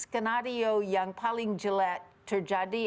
skenario yang paling jelek terjadi